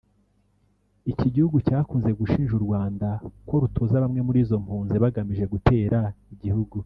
Iki gihugu cyakunze gushinja u Rwanda ko rutoza bamwe muri izo mpunzi bagamije gutera igihugu